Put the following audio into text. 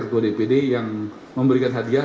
ketua dpd yang memberikan hadiah